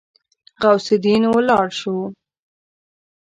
غوث الدين ولاړ شو.